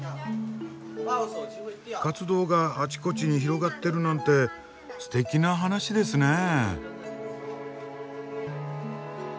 活動があちこちに広がってるなんてすてきな話ですねえ。